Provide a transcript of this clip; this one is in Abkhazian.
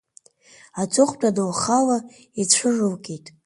Аҵыхәтәан лхала ицәырылгеит.